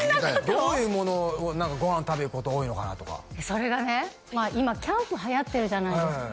どういうものをご飯食べに行くことが多いのかなとかそれがね今キャンプはやってるじゃないですか